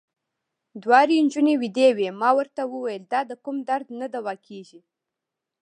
دواړې نجونې وېدې وې، ما ورته وویل: دا د کوم درد نه دوا کېږي.